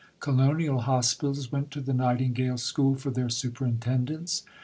Colonial hospitals went to the Nightingale School for their superintendents.